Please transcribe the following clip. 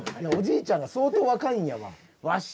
おじいちゃんが相当若いんやわ。